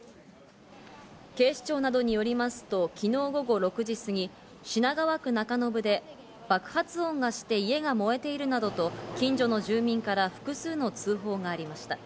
警視庁などによりますと、昨日午後６時すぎ、品川区中延で爆発音がして家が燃えているなどと近所の住民から複数の通報がありました。